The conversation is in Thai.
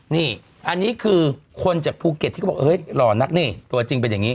นี่อันนี้คือคนจากภูเก็ตที่เขาบอกเฮ้ยหล่อนักนี่ตัวจริงเป็นอย่างนี้